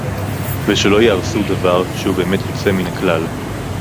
ושלא יהרסו דבר שהוא באמת יוצא מן הכלל